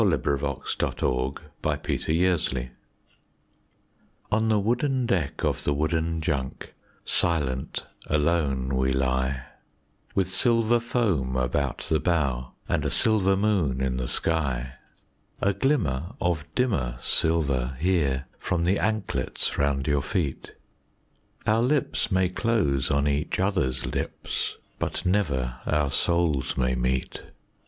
Hira Singh's Farewell to Burmah On the wooden deck of the wooden Junk, silent, alone, we lie, With silver foam about the bow, and a silver moon in the sky: A glimmer of dimmer silver here, from the anklets round your feet, Our lips may close on each other's lips, but never our souls may meet.